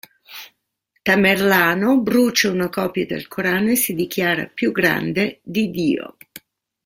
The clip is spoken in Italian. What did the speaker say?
Tamerlano brucia una copia del Corano e si dichiara più grande di dio.